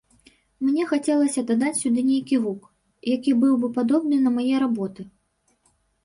Мне хацелася дадаць сюды нейкі гук, які быў бы падобны на мае работы.